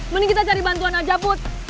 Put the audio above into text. mending kita cari bantuan aja put